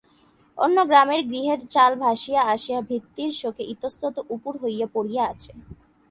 অন্য গ্রামের গৃহের চাল ভাসিয়া আসিয়া ভিত্তির শোকে ইতস্তত উপুড় হইয়া পড়িয়া আছে।